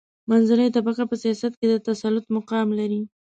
منځنۍ طبقه په سیاست کې د تسلط مقام لري.